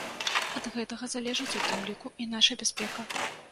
Ад гэтага залежыць у тым ліку і наша бяспека.